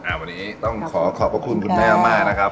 วันนี้ต้องขอขอบพระคุณคุณแม่มากนะครับ